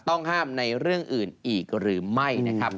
ต้องห้ามในเรื่องอื่นอีกหรือไม่นะครับ